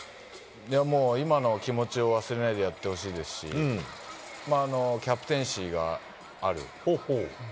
いやもう、今の気持ちを忘れないでやってほしいですし、キャプテンシーがある。